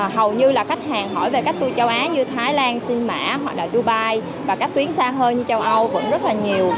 hầu như là khách hàng hỏi về các tour châu á như thái lan sim mã hoặc là dubai và các tuyến xa hơn như châu âu cũng rất là nhiều